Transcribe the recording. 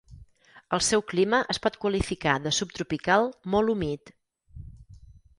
El seu clima es pot qualificar de subtropical molt humit.